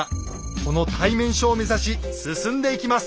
この対面所を目指し進んでいきます。